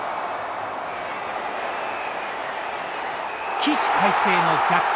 起死回生の逆転